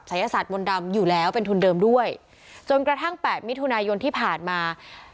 ศาสตมนต์ดำอยู่แล้วเป็นทุนเดิมด้วยจนกระทั่งแปดมิถุนายนที่ผ่านมา